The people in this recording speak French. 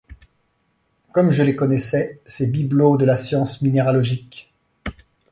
Comme je les connaissais, ces bibelots de la science minéralogique !